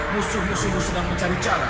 musuh musuh sedang mencari cara